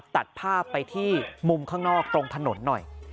ตัดภาพไปที่มุมข้างนอกตรงถนนหน่อย